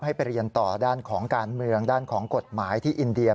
ไปเรียนต่อด้านของการเมืองด้านของกฎหมายที่อินเดีย